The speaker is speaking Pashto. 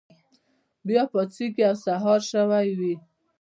بیا پاڅیږي او سهار شوی وي.